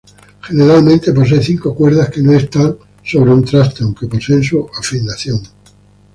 Generalmente posee cinco cuerdas, que no están sobre un traste, aunque poseen su afinación.